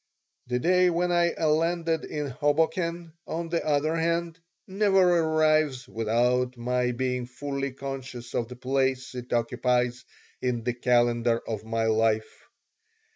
The day when I landed in Hoboken, on the other hand, never arrives without my being fully conscious of the place it occupies in the calendar of my life.